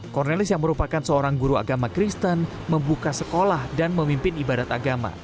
cornelis yang merupakan seorang guru agama kristen membuka sekolah dan memimpin ibarat agama